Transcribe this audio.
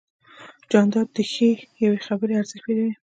جانداد د ښې یوې خبرې ارزښت پېژني.